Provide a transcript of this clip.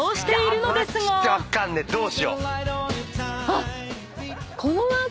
あっ！